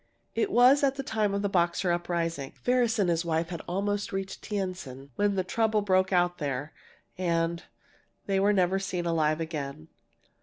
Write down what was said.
"It was at the time of the Boxer uprising. Ferris and his wife had almost reached Tientsin when the trouble broke out there, and they were never seen alive again!"